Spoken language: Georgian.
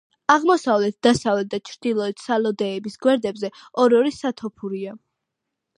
აღმოსავლეთ, დასავლეთ და ჩრდილოეთ სალოდეების გვერდებზე ორ-ორი სათოფურია.